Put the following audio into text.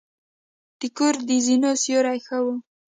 د کور د زینو سیوري ښه وه.